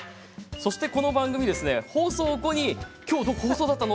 そして、この番組、放送後に今日放送だったの？